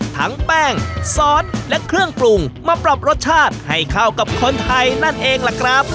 ทั้งแป้งซอสและเครื่องปรุงมาปรับรสชาติให้เข้ากับคนไทยนั่นเองล่ะครับ